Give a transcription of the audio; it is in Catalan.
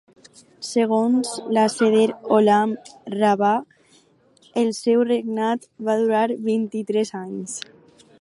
Segons la Seder Olam Rabbah, el seu regnat va durar vint-i-tres anys.